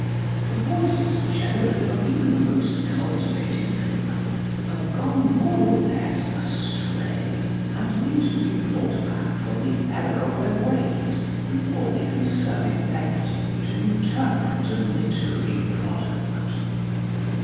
The voices, generally, of even the most cultivated people, have gone more or less astray, and need to be brought back from the error of their ways, before they can serve effectively to interpret a literary product.